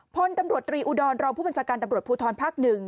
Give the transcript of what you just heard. พลตำรวจตรีอุดรรองค์ผู้บรรจการตำรวจภูทรภักดิ์๑